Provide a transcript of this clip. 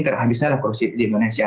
tidak habisnya lah kursi di indonesia